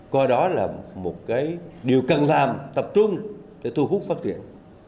coi đó là một điều cần làm tập trung để thu hút phát triển